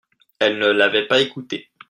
Elles ne l'avaient pas écouté.